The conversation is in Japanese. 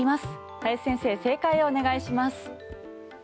林先生、正解をお願いします。